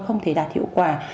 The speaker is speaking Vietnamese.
không thể đạt hiệu quả